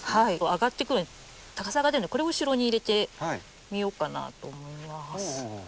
上がってくる高さが出るのでこれを後ろに入れてみようかなと思います。